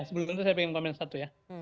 sebelumnya saya ingin komen satu ya